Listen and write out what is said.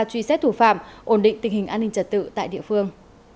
truy xét thủ phạm ổn định tình hình an ninh trật tự tại địa phương